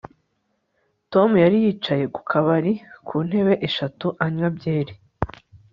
Tom yari yicaye ku kabari kuntebe eshatu anywa byeri